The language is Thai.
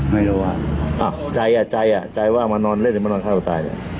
ไม่รู้ว่าอ้าวใจอ่ะใจอ่ะใจว่ามานอนเล่นหรือมานอนฆ่าตัวตายเลย